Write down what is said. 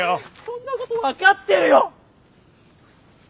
そんなこと分かってるよ。